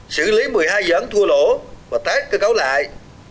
xử lý một mươi hai dự án thua lỗ và tái cơ cấu lại